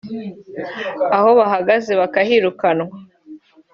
aho bahagaze bakahirukanwa